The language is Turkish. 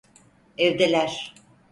Evdeler.